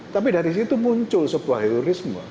tapi dari situ muncul sebuah heroisme